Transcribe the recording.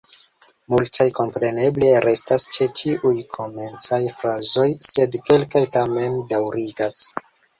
Multaj kompreneble restas ĉe tiuj komencaj frazoj, sed kelkaj tamen daŭrigas.